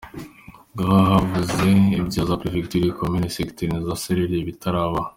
Ngo bahunze ibya za prefectures, communes, secteurs na za Cellules bitarabaho.